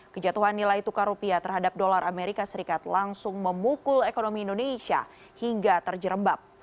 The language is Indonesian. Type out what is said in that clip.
kejatuhan nilai tukar rupiah terhadap dolar amerika serikat langsung memukul ekonomi indonesia hingga terjerembab